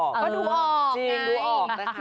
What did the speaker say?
ก็ดูออกดูออกนะคะ